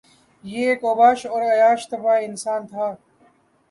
یہ ایک اوباش اور عیاش طبع انسان تھا